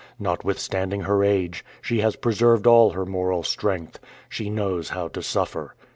Notwithstanding her age, she has preserved all her moral strength. She knows how to suffer."